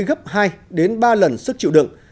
gấp hai ba lần sức chịu đựng